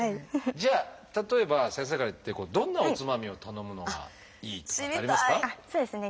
じゃあ例えば先生からどんなおつまみを頼むのがいいとかってありますか？